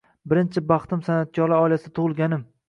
Birinchi baxtim san’atkorlar oilasida tug‘ilganim